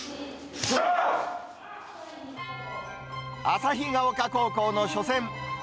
旭丘高校の初戦。